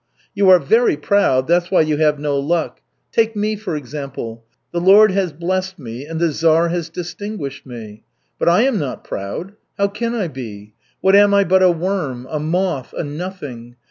"You are very proud, that's why you have no luck. Take me, for example. The Lord has blessed me, and the Czar has distinguished me. But I am not proud. How can I be? What am I but a worm, a moth, a nothing.